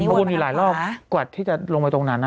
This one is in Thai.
วนอยู่หลายรอบกว่าที่จะลงไปตรงนั้น